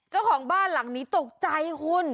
เจ้าของบ้านหลังนี้ตกใจคุณ